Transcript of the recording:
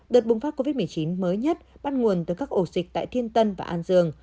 đợt bùng phát covid một mươi chín mới nhất bắt nguồn từ các ổ dịch tại thiên tân và an dương